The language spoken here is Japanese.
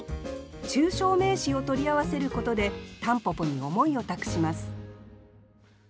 抽象名詞を取り合わせることで蒲公英に思いを託しますさあ